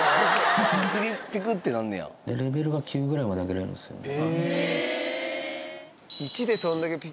レベルが９ぐらいまで上げられるんですよね。